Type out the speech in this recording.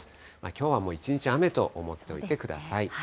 きょうはもう一日雨と思っておいてください。